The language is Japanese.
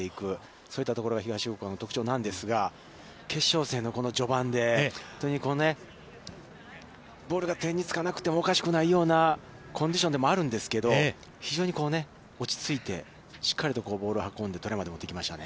そういったところが東福岡の特徴なんですが、決勝戦のこの序盤で、本当にボールが手につかなくてもおかしくないようなコンディションでもあるんですけれども非常に落ち着いて、しっかりとボールを運んでトライまで持っていきましたね。